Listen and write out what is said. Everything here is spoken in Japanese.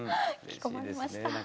引き込まれました。